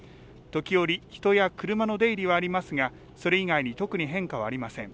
時折、人や車の出入りはありますがそれ以外に特に変化はありません。